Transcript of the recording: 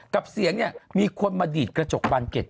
กับเสียงเนี่ยมีคนมาดีดกระจกบานเก็ต